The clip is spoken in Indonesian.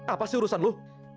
apa sih urusan lo